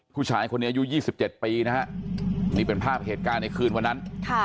ผู้ชายคนนี้อายุ๒๗ปีนะฮะนี่เป็นภาพเหตุการณ์ในคืนวันนั้น